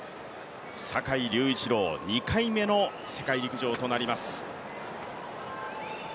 坂井隆一郎、２回目の世界陸上となります。